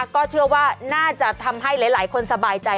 ก็เชื่อว่าน่าจะทำให้หลายคนสบายใจ